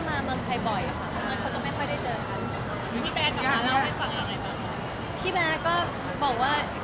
แล้วก็ขอพูดมาให้ได้